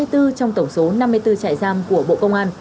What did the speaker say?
có hai mươi bốn trong tổng số năm mươi bốn trại giam của bộ công an